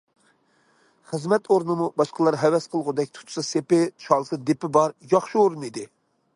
خىزمەت ئورنىمۇ باشقىلار ھەۋەس قىلغۇدەك، تۇتسا سېپى، چالسا دېپى بار ياخشى ئورۇن ئىدى.